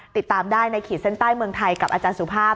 ติดตามได้ในขีดเส้นใต้เมืองไทยกับอาจารย์สุภาพ